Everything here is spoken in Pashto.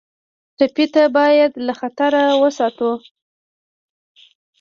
ټپي ته باید له خطره وساتو.